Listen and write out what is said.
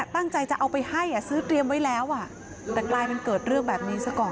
ตั้งใจจะเอาไปให้ซื้อเตรียมไว้แล้วแต่กลายเป็นเกิดเรื่องแบบนี้ซะก่อน